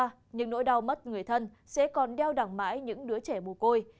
ngày qua những nỗi đau mất người thân sẽ còn đeo đẳng mãi những đứa trẻ bù côi